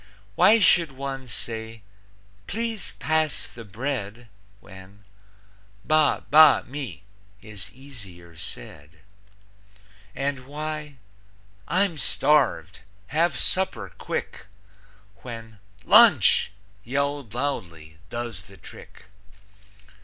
Why should one say, "Please pass the bread," When "Ba ba me" is easier said? And why "I'm starved. Have supper quick," When "LUNCH!" yelled loudly, does the trick?